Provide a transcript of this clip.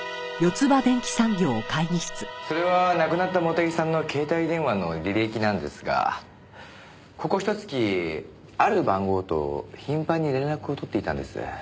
それは亡くなった茂手木さんの携帯電話の履歴なんですがここひと月ある番号と頻繁に連絡を取っていたんです。